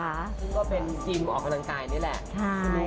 คุณก็เป็นกินออกกำลังกายนี่แหละ